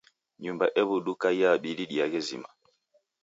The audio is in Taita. Nyumba ew'uduka iabidi diaghe zima